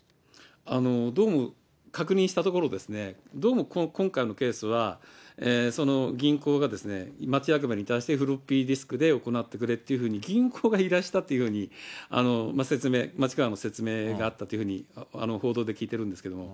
どうも確認したところですね、どうも今回のケースは、銀行が町役場に対して、フロッピーディスクで行ってくれっていうふうに、銀行が依頼したというふうに説明、町からの説明があったというふうに報道で聞いてるんですけども。